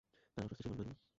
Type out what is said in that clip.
তাঁর অস্বস্তির সীমা রইল না।